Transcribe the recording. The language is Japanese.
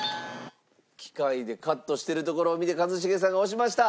機械でカットしてるところを見て一茂さんが押しました。